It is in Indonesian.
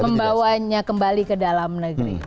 membawanya kembali ke dalam negeri